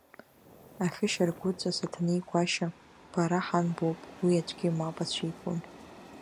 Ахьышьаргәыҵа Саҭанеи Гәашьа, бара ҳан боуп, уи аӡәгьы мап ацәикуам.